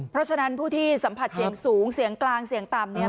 เพราะฉะนั้นผู้ที่สัมผัสเสียงสูงเสียงกลางเสียงต่ำเนี่ย